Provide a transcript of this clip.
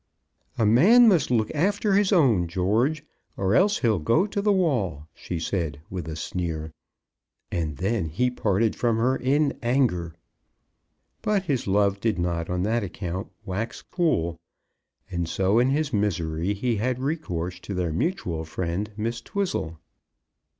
"A man must look after his own, George, or else he'll go to the wall," she said, with a sneer. And then he parted from her in anger. But his love did not on that account wax cool, and so in his misery he had recourse to their mutual friend, Miss Twizzle.